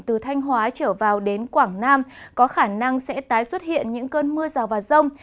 từ thanh hóa trở vào đến quảng nam có khả năng sẽ tái xuất hiện những cơn mưa rào và rông